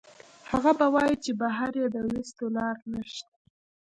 هغه به وائي چې بهر ئې د ويستو لار نشته